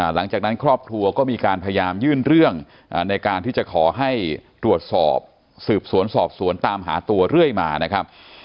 หลังจากนั้นครอบครัวก็มีการพยายามยื่นเรื่องในการที่จะขอให้ตรวจสอบสืบสวนสอบสวนตามหาตัวเรื่อยมานะครับ